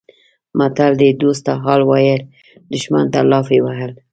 متل دی: دوست ته حال ویل دښمن ته لافې وهل